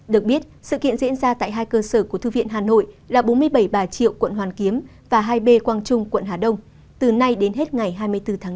được biết sự kiện diễn ra tại hai cơ sở của thư viện hà nội là bốn mươi bảy bà triệu quận hoàn kiếm và hai b quang trung quận hà đông từ nay đến hết ngày hai mươi bốn tháng bốn